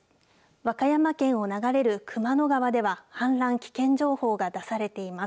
和歌山県を流れる熊野川では氾濫危険情報が出されています。